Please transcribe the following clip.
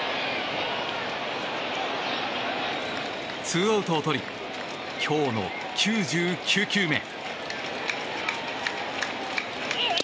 ツーアウトをとり今日の９９球目。